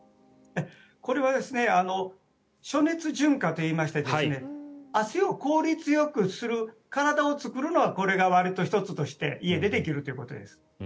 これは暑熱順化といいまして汗を効率よくする体を作るのはこれがわりと１つとして家でできるということです。